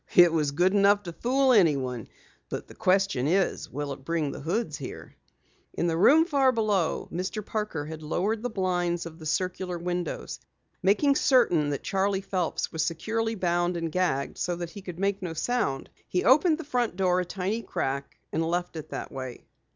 "It was good enough to fool anyone. But the question is, will it bring the Hoods here?" In the room far below, Mr. Parker had lowered the blinds of the circular windows. Making certain that Charley Phelps was securely bound and gagged so that he could make no sound, he opened the front door a tiny crack and left it that way.